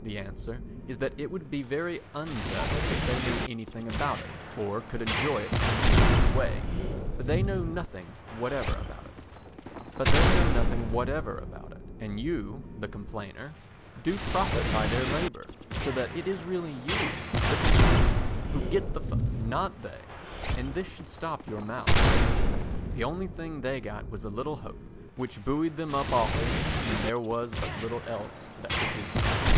The answer is that it would be very unjust if they knew anything about it, or could enjoy it in any way, but they know nothing whatever about it, and you, the complainer, do profit by their labour, so that it is really you, the complainer, who get the fun, not they, and this should stop your mouth. The only thing they got was a little hope, which buoyed them up often when there was but little else that could do so.